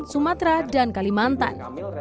sumatera dan kalimantan